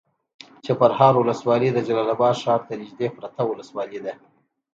چپرهار ولسوالي د جلال اباد ښار ته نږدې پرته ولسوالي ده.